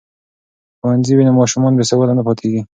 که ښوونځی وي نو ماشومان بې سواده نه پاتیږي.